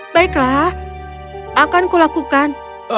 baiklah akan kulakukan